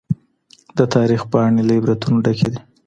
د تاريخ پاڼې له عبرتونو ډکې دي.